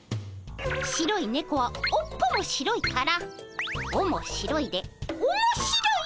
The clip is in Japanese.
白いねこは尾っぽも白いから尾も白いで面白い。